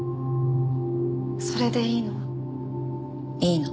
それでいいの？いいの。